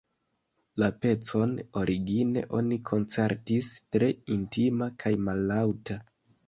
La pecon origine oni koncertis tre intima kaj mallaŭta.